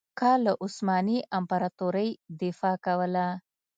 که له عثماني امپراطورۍ دفاع کوله.